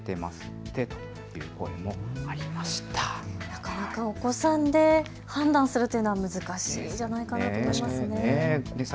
なかなかお子さんで判断するっていうのは難しいんじゃないかなと思います。